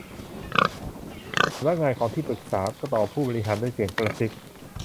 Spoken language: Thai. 'สำนักงานของที่ปรึกษา' ตอบผู้บริหารด้วยเสียงกระซิบ